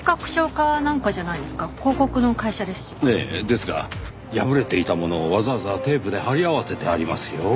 ですが破れていたものをわざわざテープで貼り合わせてありますよ。